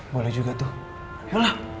boleh juga tuh